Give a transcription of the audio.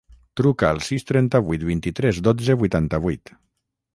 Truca al sis, trenta-vuit, vint-i-tres, dotze, vuitanta-vuit.